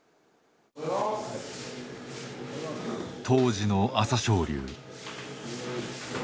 当時の朝青龍。